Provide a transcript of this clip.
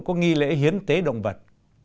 có nghi lễ hiến tế động vật